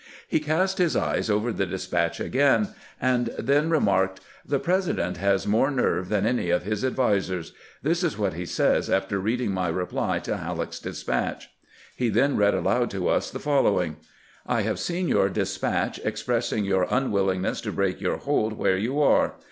He cast his eyes over the despatch again, and then remarked :" The President has more nerve than any of his advisers. This is what he says after reading my reply to HaUeck's despatch." He then read aloud to us the following: '^"' I have seen your despatch expressing your unwill ingness to break your hold where you are.